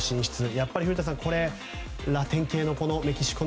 やっぱり古田さん、これはラテン系の国、メキシコ。